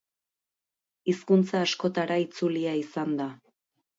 Hizkuntza askotara itzulia izan da.